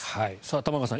玉川さん